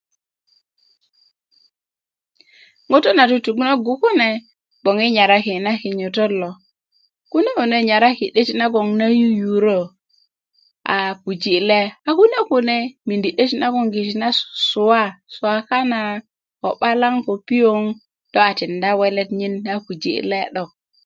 ŋutu na tutunogu kune bgoŋ i nyaraki kune kune nyaraki 'deti na yuyurö a puji le a kune kune a mindi 'deti na susua ko 'balaŋ ko piöŋ do a tinda welt nyin a puji le 'dok